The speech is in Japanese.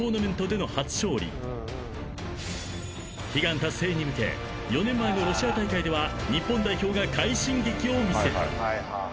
［悲願達成に向け４年前のロシア大会では日本代表が快進撃を見せた］